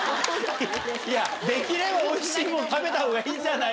できればおいしいもん食べたほうがいいんじゃ？